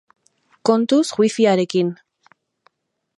Kontuz wifiarekin!